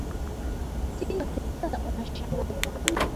Mtindo wa kisasa unashangaza